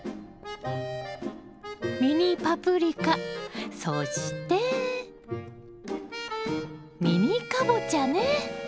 ミニパプリカそしてミニカボチャね。